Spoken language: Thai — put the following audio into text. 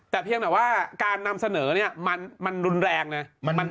แต่เพียงแต่ว่าการนำเสนอเนี่ยมันรุนแรงเลย